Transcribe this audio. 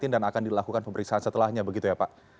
dan akan dilakukan pemeriksaan setelahnya begitu ya pak